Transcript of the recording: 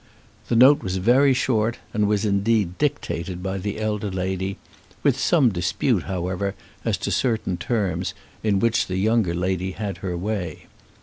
The note was very short, and was indeed dictated by the elder lady, with some dispute, however, as to certain terms, in which the younger lady had her way.